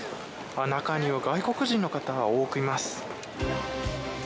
中には外国人の方、多くいます。